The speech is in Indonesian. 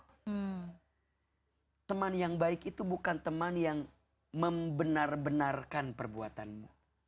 hmm yang baik itu bukan teman yang membenar benarkan perbuatanmu